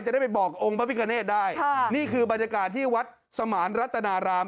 ได้ไปบอกองค์พระพิกาเนตได้ค่ะนี่คือบรรยากาศที่วัดสมานรัตนาราม